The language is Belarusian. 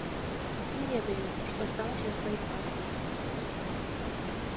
Не ведаю, што сталася з той партыяй.